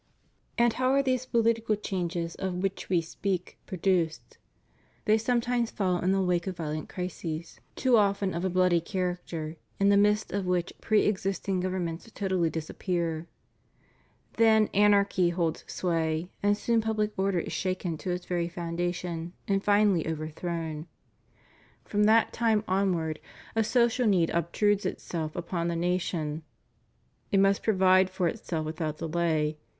And how are these political changes of which We speak produced? They sometimes follow in the wake of violent crises, too often of a bloody character, in the midst of which pre existing governments totally disappear; then anarchy holds sway, and soon pubHc order is shaken to its very foundations and finally overthrown. From that time onward a social need obtrudes itself upon the nation; it must provide for itself without delay.